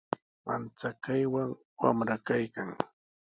Manchakaywan wamra kaykan.